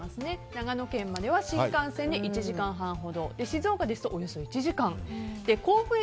長野県までは新幹線でおよそ１時間静岡ですと、およそ１時間。